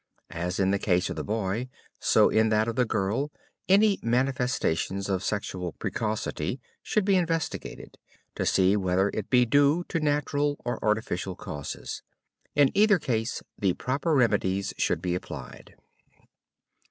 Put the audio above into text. As in the case of the boy, so in that of the girl, any manifestation of sexual precocity should be investigated, to see whether it be due to natural or artificial causes. In either case the proper remedies should be applied.